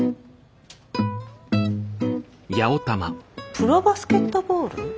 プロバスケットボール？